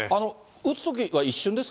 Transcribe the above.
打つときは一瞬でした？